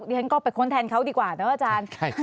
ฉันก็ไปค้นแทนเขาดีกว่านะอาจารย์